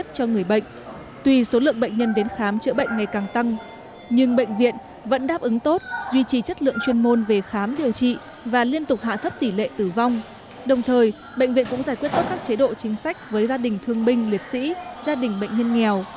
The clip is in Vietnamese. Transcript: trong thời bệnh viện cũng giải quyết tốt các chế độ chính sách với gia đình thương binh liệt sĩ gia đình bệnh nhân nghèo